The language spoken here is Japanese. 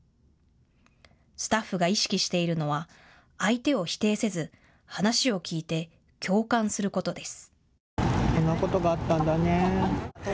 スタッフが意識しているのは相手を否定せず話を聴いて共感することです。